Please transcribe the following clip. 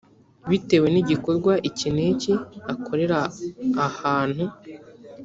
bitewe nigikorwa iki n iki akorera ahantu